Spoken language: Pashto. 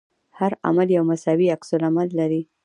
هر عمل یو مساوي عکس العمل لري.